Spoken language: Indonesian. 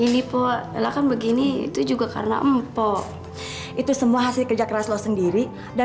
ini pola kan begini itu juga karena empok itu semua hasil kerja keras lo sendiri dan